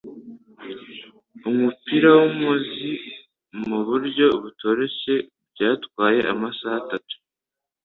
umupira wumuzi muburyo butoroshye byatwaye amasaha atatu